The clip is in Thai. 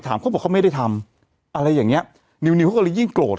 เขาบอกเขาไม่ได้ทำอะไรอย่างเงี้ยนิวนิวเขาก็เลยยิ่งโกรธ